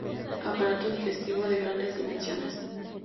Aparato digestivo de grandes dimensiones.